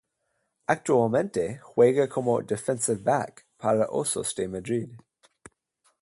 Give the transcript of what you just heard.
Actualmente juega como defensive back para Osos de Madrid.